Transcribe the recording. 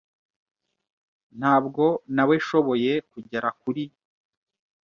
Ntabwo naweshoboye kugera kuri .